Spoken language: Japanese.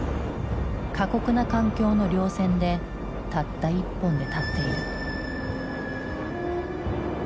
過酷な環境の稜線でたった１本で立っている。